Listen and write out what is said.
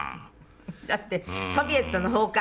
だってソビエトの崩壊。